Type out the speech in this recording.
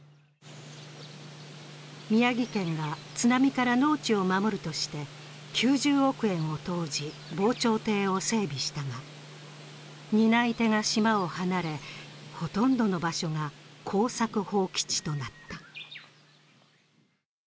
宮城県が津波から農地を守るとして９０億円を投じ、防潮堤を整備したが担い手が島を離れ、ほとんどの場所が耕作放棄地となった。